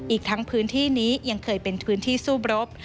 อีกทั้งพื้นที่นี้ยังเคยเป็นพื้นที่สู้บรบ